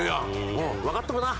うんわかっとるな。